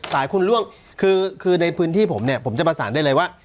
สายคุณล่วงคือในพื้นที่ผมเนี่ยผมจะประสานได้เลยว่า